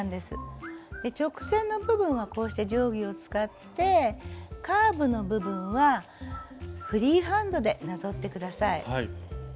直線の部分はこうして定規を使ってカーブの部分はフリーハンドでなぞって下さい。